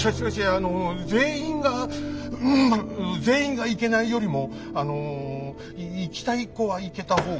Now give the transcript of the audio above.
あの全員がうん全員が行けないよりもあのい行きたい子は行けた方が。